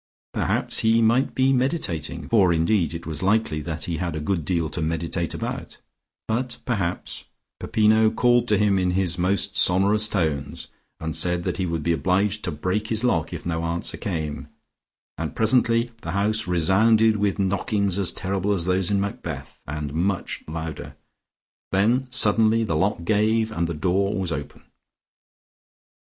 Perhaps he might be meditating (for indeed it was likely that he had a good deal to meditate about), but perhaps Peppino called to him in his most sonorous tones, and said that he would be obliged to break his lock if no answer came, and presently the house resounded with knockings as terrible as those in Macbeth, and much louder. Then suddenly the lock gave, and the door was open.